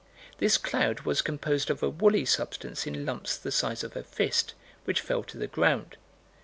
This cloud was composed of a woolly substance in lumps the size of a fist, which fell to the ground.